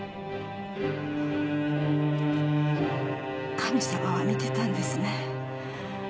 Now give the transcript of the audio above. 神様は見てたんですね。